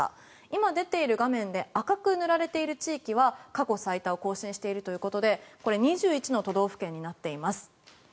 今出ている画面で赤く塗られている地域は過去最多を更新しているということで２１の都道府県になっています。